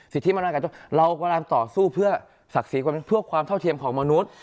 สิทธิต่างเรากำลังต่อสู้เพื่อศักดิ์สิทธิความเท่าเทียมของมนุษย์